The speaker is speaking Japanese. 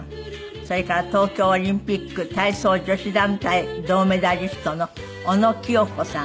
それから東京オリンピック体操女子団体銅メダリストの小野清子さん。